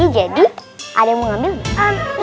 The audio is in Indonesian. jadi ada yang mau ngambil gak